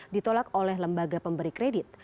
ditolak oleh lembaga pemberi kredit